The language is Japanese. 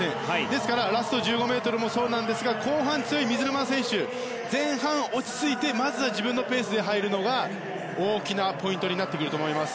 ですから、ラスト１５ｍもそうなんですが後半、強い水沼選手前半、落ち着いてまずは自分のペースで入るのが大きなポイントになってくると思います。